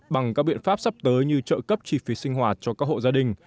bằng các biện pháp sắp tới như trợ cấp chi phí sinh hoạt cho các hộ gia đình